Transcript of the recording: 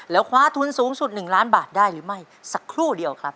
แล้วคว้าทุนสูงสุด๑ล้านบาทได้หรือไม่สักครู่เดียวครับ